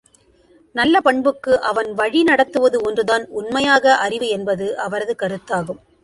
நல்ல பண்புக்கு அவன் வழி நடத்துவது ஒன்றுதான் உண்மையாக அறிவு என்பது அவரது கருத்தாகும்.